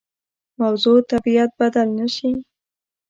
موضوع طبیعت بدل نه شي.